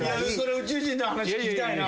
宇宙人の話聞きたいな。